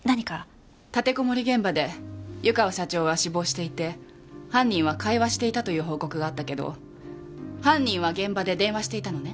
立てこもり現場で湯川社長は死亡していて犯人は会話していたという報告があったけど犯人は現場で電話していたのね？